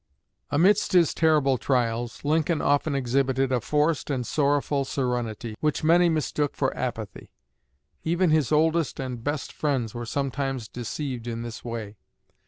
Amidst his terrible trials, Lincoln often exhibited a forced and sorrowful serenity, which many mistook for apathy. Even his oldest and best friends were sometimes deceived in this way.